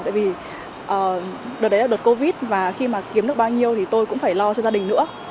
tại vì đợt đấy là đợt covid và khi mà kiếm được bao nhiêu thì tôi cũng phải lo cho gia đình nữa